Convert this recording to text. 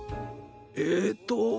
えっと。